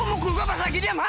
lu mukul gue pas lagi diam hah